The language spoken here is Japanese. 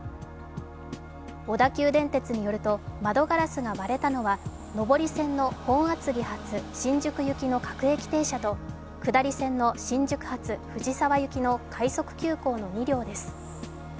小田急電鉄によると、窓ガラスが割れたのは上り線の本厚木発新宿行きの各駅停車と下り線の新宿発藤沢行きの快速急行の２両です。